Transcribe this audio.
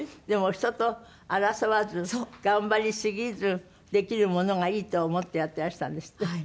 でも人と争わず頑張りすぎずできるものがいいと思ってやっていらしたんですって？